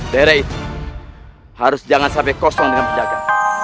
daerah itu harus jangan sampai kosong dengan penjaga